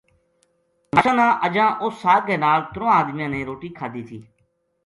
نماشاں نا اَجاں اُس ساگ کے نا ل ترواں ادمیاں نے روٹی کھادی تھی